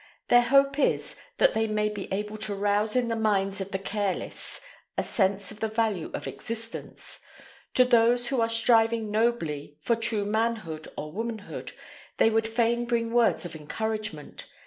Their hope is, that they may be able to rouse in the minds of the careless a sense of the value of existence. To those who are striving nobly for true manhood or womanhood, they would fain bring words of encouragement.